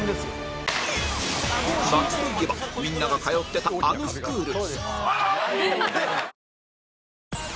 夏といえばみんなが通ってたあのスクール